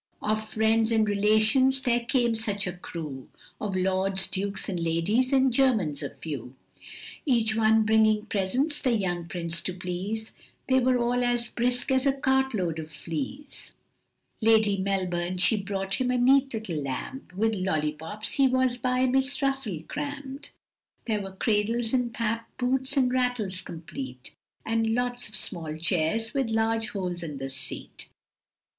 Of friends and relations there came such a crew, Of Lords, Dukes, and Ladies, and Germans a few, Each one bringing presents, the young Prince to please, They all were as brisk as a cart load of fleas; Lady Melbourn she brought him a neat little lamb, With lollipops he was by Miss Russel cramm'd, There were cradles and pap, boots, and rattles complete, And lots of small chairs with large holes in the seat.